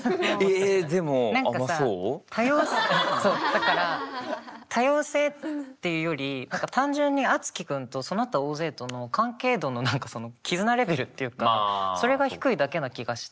だから多様性っていうより単純にあつき君とその他大勢との関係度の何かその絆レベルっていうかそれが低いだけな気がして。